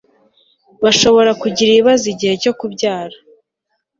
bashobora kugira ibibazo igihe cyo kubyara